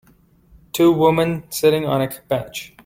Two women sitting on a bench.